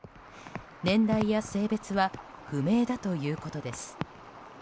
年代や性別は不明だということです。